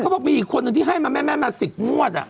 เค้าบอกมีคนหนึ่งที่ให้มาแม่นมาสิกงวดอ่ะ